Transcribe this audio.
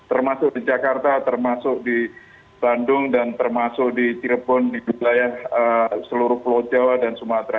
termasuk di jakarta termasuk di bandung dan termasuk di cirebon di wilayah seluruh pulau jawa dan sumatera